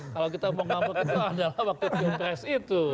kalau kita mau ngambek itu adalah waktu jogres itu